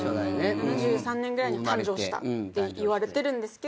７３年ぐらいに誕生したっていわれてるんですけど。